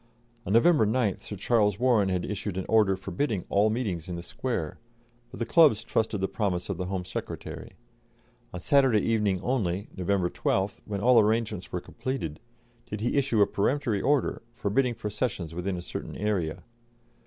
On November 9th Sir Charles Warren had issued an order forbidding all meetings in the Square, but the clubs trusted the promise of the Home Secretary. On Saturday evening only, November 12th, when all arrangements were completed, did he issue a peremptory order, forbidding processions within a certain area.